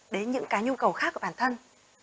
đến những cái nhu cầu khác của bản thân